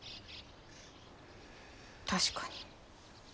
確かに。